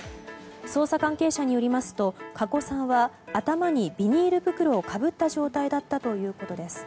捜査関係者によりますと加古さんは頭にビニール袋をかぶった状態だったということです。